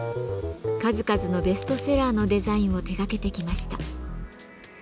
数々のベストセラーのデザインを手がけてきました。